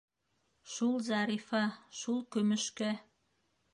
Шул Зарифа, шул көмөшкә...